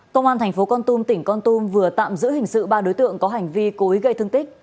công an thành phố con tum tỉnh con tum vừa tạm giữ hình sự ba đối tượng có hành vi cố ý gây thương tích